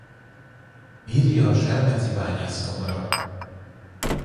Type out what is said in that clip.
Birja a selmeczi bányász kamara.